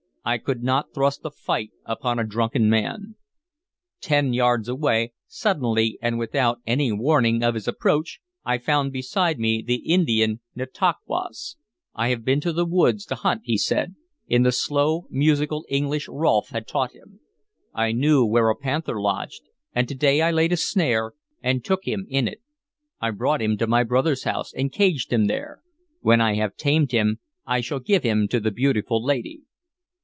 I could not thrust a fight upon a drunken man. Ten yards away, suddenly and without any warning of his approach, I found beside me the Indian Nantauquas. "I have been to the woods to hunt," he said, in the slow musical English Rolfe had taught him. "I knew where a panther lodged, and to day I laid a snare, and took him in it. I brought him to my brother's house, and caged him there. When I have tamed him, I shall give him to the beautiful lady."